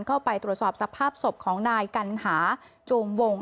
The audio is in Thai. เข้าไปตรวจสอบสภาพศพของนายกัณหาจูงวง